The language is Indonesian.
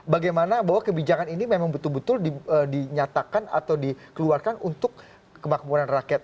bagaimana bahwa kebijakan ini memang betul betul dinyatakan atau dikeluarkan untuk kemakmuran rakyat